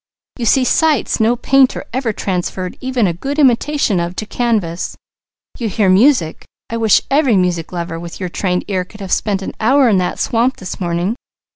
You see sights no painter ever transferred even a good imitation of to canvas; you hear music I wish every music lover with your trained ear could have spent an hour in that swamp this morning.